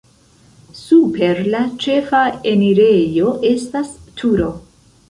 Super la ĉefa enirejo estas turo.